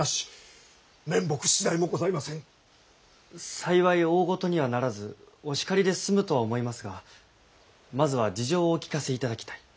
幸い大ごとにはならずお叱りで済むとは思いますがまずは事情をお聞かせいただきたい。